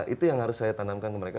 itu yang harus saya tanamkan ke mereka